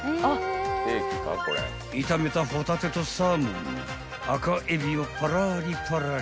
［炒めたホタテとサーモン赤海老をパラリパラリ］